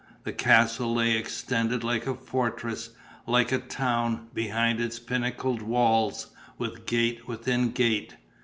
The castle lay extended like a fortress, like a town, behind its pinnacled walls, with gate within gate.